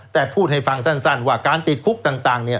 แต่พูดให้ฟังสั้นว่าการติดคุกต่าง